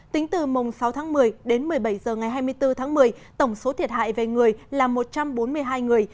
tính từ mùng sáu tháng một mươi đến một mươi bảy h ngày hai mươi bốn tháng một mươi tổng số thiệt hại về người là một trăm bốn mươi hai người